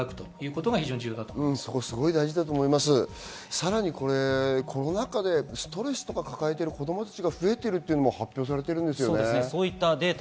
さらにコロナ禍でストレスとかを抱えてる子供たちが増えているっていうのも発表されてるんですよね。